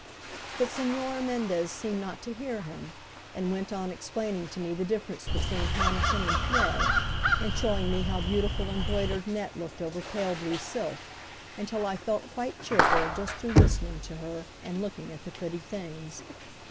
But Señora Mendez seemed not to hear him, and went on explaining to me the difference between honiton and thread, and showing me how beautiful embroidered net looked over pale blue silk, until I felt quite cheerful just through listening to her and looking at the pretty things.